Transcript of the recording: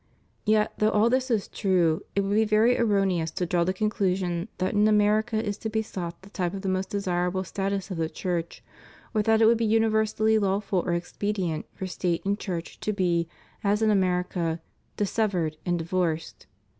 Yet, though all this is true, it would be very erroneous to draw the conclusion that in America is to be sought the type of the most desirable status of the Church, or that it would be universally lawful or expedient for State and Church to be, as in America, dissevered and divorced.